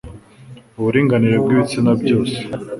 uburinganire bw ibitsina bwose